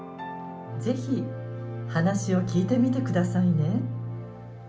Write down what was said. ぜひ話を聞いてみて下さいね」。